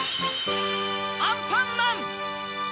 アンパンマン‼